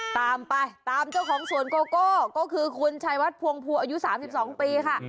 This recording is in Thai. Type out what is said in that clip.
ตามไปตามเจ้าของสวนโกโก้ก็คือคุณชายวัดพวงภูอายุ๓๒ปีค่ะ